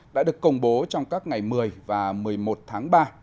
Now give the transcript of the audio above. đã được công bố trong các ngày một mươi và một mươi một tháng ba